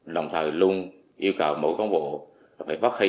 đồng thời luôn yêu cầu mỗi cán bộ chiến sĩ học hỏi thực hiện